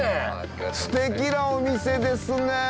すてきなお店ですね。